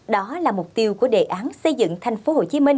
đó là mục tiêu của đề án xây dựng thành phố hồ chí minh